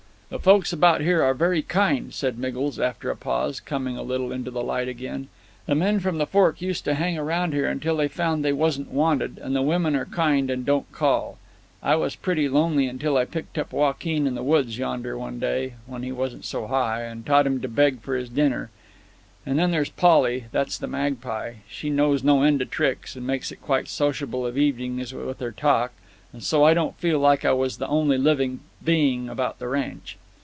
"The folks about here are very kind," said Miggles, after a pause, coming a little into the light again. "The men from the fork used to hang around here, until they found they wasn't wanted, and the women are kind and don't call. I was pretty lonely until I picked up Joaquin in the woods yonder one day, when he wasn't so high, and taught him to beg for his dinner; and then thar's Polly that's the magpie she knows no end of tricks, and makes it quite sociable of evenings with her talk, and so I don't feel like as I was the only living being about the ranch.